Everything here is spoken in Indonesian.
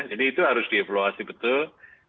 kalau saya sih